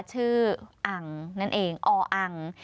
ชื่ออังนั่นเองออัง